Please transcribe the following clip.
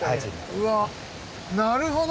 うわぁなるほど。